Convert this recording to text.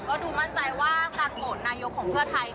ก็ดูมั่นใจว่าการโหวตนายกของเพื่อไทย